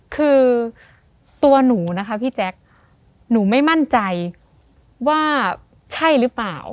คือตัวหนูนะคะพี่แจ๊คหนูไม่มั่นใจว่าใช่หรือเปล่า